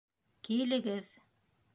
Килегеҙ.